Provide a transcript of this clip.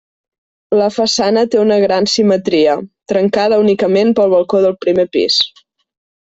La façana té una gran simetria, trencada únicament pel balcó del primer pis.